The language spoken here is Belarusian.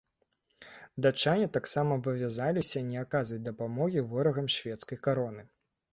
Датчане таксама абавязаліся не аказваць дапамогі ворагам шведскай кароны.